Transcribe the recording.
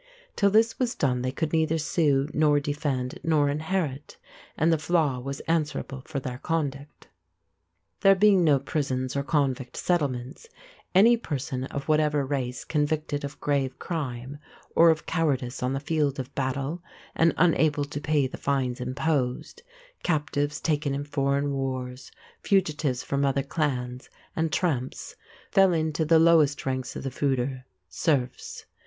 Till this was done, they could neither sue nor defend nor inherit, and the flaith was answerable for their conduct. There being no prisons or convict settlements, any person of whatever race convicted of grave crime, or of cowardice on the field of battle, and unable to pay the fines imposed, captives taken in foreign wars, fugitives from other clans, and tramps, fell into the lowest ranks of the fuidre "serfs."